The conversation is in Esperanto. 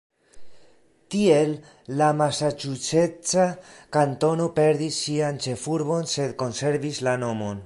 Tiel la masaĉuseca kantono perdis sian ĉefurbon, sed konservis la nomon.